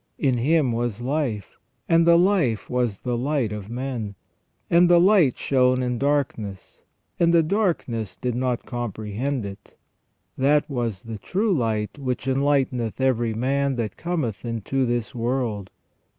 In Him was life, and the life was the light of men ; and the light shone in darkness, and the darkness did not comprehend it. ... That was the true light which enlighteneth every man that cometh into this world.